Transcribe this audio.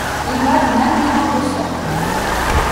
Il va d’une admirable sorte !